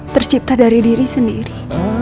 tercipta dari diri sendiri